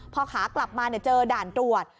พอขากลับมาเจอด่านตรวจ